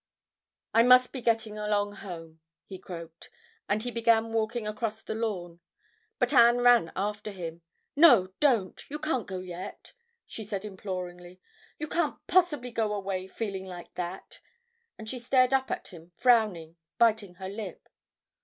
"I must be getting along home," he croaked, and he began walking across the lawn. But Anne ran after him. "No, don't. You can't go yet," she said imploringly. "You can't possibly go away feeling like that." And she stared up at him frowning, biting her lip.